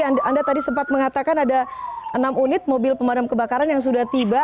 anda tadi sempat mengatakan ada enam unit mobil pemadam kebakaran yang sudah tiba